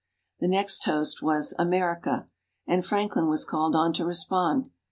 The next toast was "America," and Franklin was called on to respond.